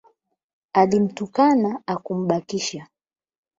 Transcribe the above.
Alimtukana hakumbakisha